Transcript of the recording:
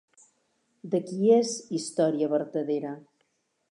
De qui és Història vertadera?